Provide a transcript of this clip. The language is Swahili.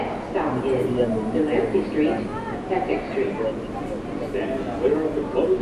Mito hiyo ni Mto Matandu wenye kilometa za mraba